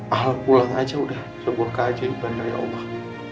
alat pulang aja udah sebuah kajian dari allah